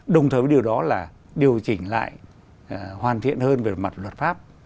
đồng thời điều đó là điều chỉnh lại hoàn thiện hơn về mặt luật pháp